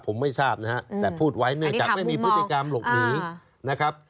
ผมไม่ทราบนะฮะแต่พูดไว้เนื่องจากไม่มีพฤติกรรมหลบหนีนะครับ